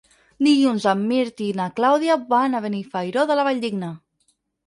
Dilluns en Mirt i na Clàudia van a Benifairó de la Valldigna.